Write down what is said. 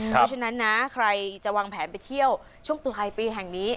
เพราะฉะนั้นนะใครจะวางแผนไปเที่ยวช่วงปลายปีแห่งนี้